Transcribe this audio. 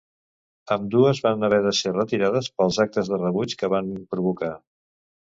Ambdues van haver de ser retirades pels actes de rebuig que van provocar.